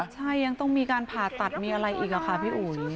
ใช่ยังต้องมีการผ่าตัดมีอะไรอีกค่ะพี่อุ๋ย